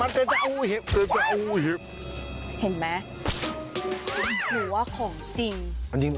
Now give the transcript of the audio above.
หนูว่าของจริง